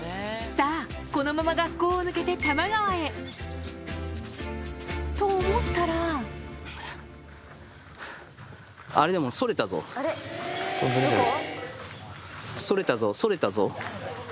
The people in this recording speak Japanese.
さぁこのまま学校を抜けて多摩川へと思ったらそれたぞそれたぞ。